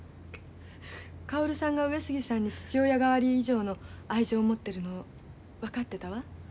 かおるさんが上杉さんに父親代わり以上の愛情を持ってるの分かってたわ。